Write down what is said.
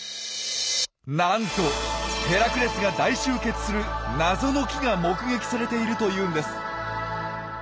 なんとヘラクレスが大集結する謎の木が目撃されているというんです。